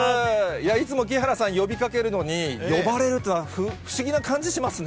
いつも木原さん、呼びかけるのに、呼ばれるというのは、不思議な感じしますね。